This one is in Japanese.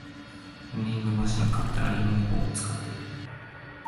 ランニングマシン買ったら犬の方が使ってる